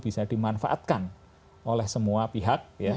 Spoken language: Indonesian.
bisa dimanfaatkan oleh semua pihak